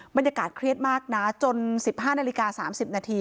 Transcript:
บรรยากาศเครียดมากนะจน๑๕นาฬิกา๓๐นาที